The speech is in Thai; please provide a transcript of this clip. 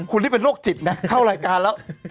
คุณที่เป็นโรคจิตนะเข้ารายการแล้ว